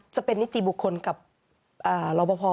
จะเป็นนิติบุคคลกับรอปภ